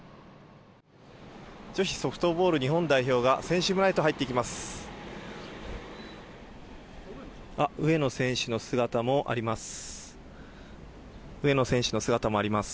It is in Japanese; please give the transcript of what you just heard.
女子ソフトボール日本代表が選手村へと入っていきます。